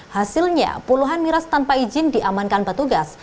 hasilnya puluhan miras tanpa izin diamankan petugas